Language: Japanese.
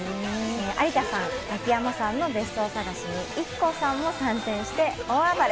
有田さん、ザキヤマさんの別荘探しにＩＫＫＯさんも参戦して大暴れ。